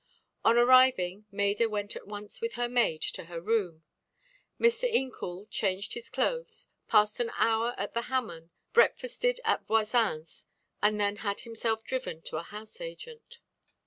On arriving, Maida went at once with her maid to her room. Mr. Incoul changed his clothes, passed an hour at the Hamman, breakfasted at Voisin's, and then had himself driven to a house agent.